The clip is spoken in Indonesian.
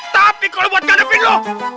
tapi kalau buat ngadepin lu